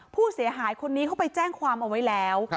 ผู้เสียหายคนนี้เขาไปแจ้งความเอาไว้แล้ว